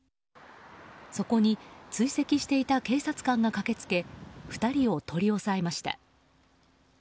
そこに追跡していた警察官が駆けつけ２人を取り押さえました。